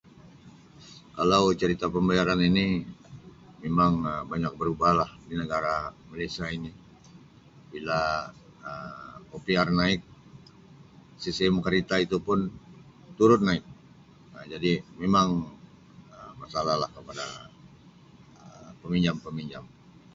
Kalau cerita pembayaran ini memang banyak berubahlah di negara Malaysia ini bila Um OPR naik, CCM kereta itu pun turut naik jadi memang Um masalahlah kepada Um peminjam-peminjam.